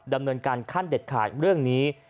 ดำเนินการขั้นเด็ดขาดเรื่องนี้